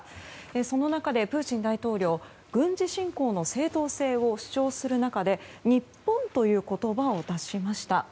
その中で、プーチン大統領軍事侵攻の正当性を主張する中で日本という言葉を出しました。